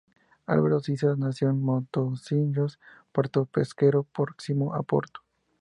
Álvaro Siza nació en Matosinhos, puerto pesquero próximo a Oporto.